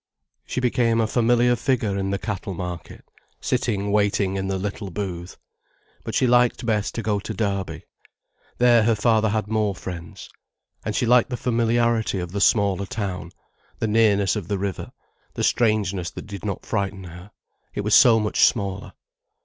She became a familiar figure in the cattle market, sitting waiting in the little booth. But she liked best to go to Derby. There her father had more friends. And she liked the familiarity of the smaller town, the nearness of the river, the strangeness that did not frighten her, it was so much smaller.